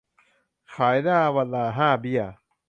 ขายหน้าวันละห้าเบี้ย